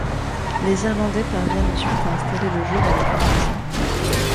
Les Irlandais parviennent ensuite à installer le jeu dans le camp français.